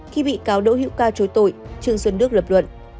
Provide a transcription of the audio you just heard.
khi bị cáo đỗ hữu ca chối tội trương xuân đức lập luận